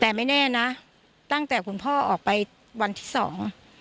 แต่ไม่แน่นะตั้งแต่คุณพ่อออกไปวันที่สอง